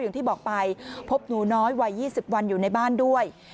อย่างที่บอกไปพบหนูน้อยวัย๒๐วันอยู่ในบ้านด้วย